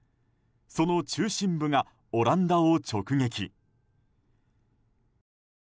その中心部がオランダを直撃。